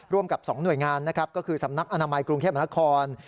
ร่วมกับ๒หน่วยงานนะครับก็คือสำนักอนามัยกรุงเทพมหานคร